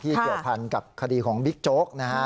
ที่เกี่ยวพันธ์กับคดีของบิ๊กโจ๊กนะครับ